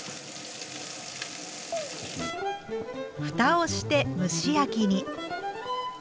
ふたをして蒸し焼きに。